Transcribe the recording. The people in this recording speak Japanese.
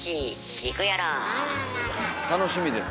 楽しみです。